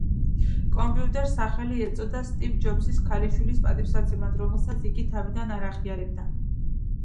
კომპიუტერს სახელი ეწოდა სტივ ჯობსის ქალიშვილის პატივსაცემად, რომელსაც იგი თავიდან არ აღიარებდა.